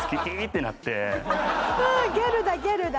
ギャルだギャルだ。